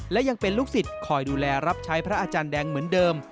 และยังเป็นลูกศิษย์คอยดูแลรับใช้พระอาจารย์แดงเหมือนเดิม